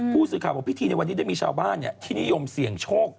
ผู้สื่อข่าวว่าพิธีในวันนี้ได้มีชาวบ้านเนี่ย